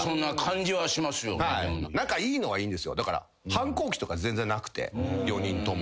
反抗期とか全然なくて４人とも。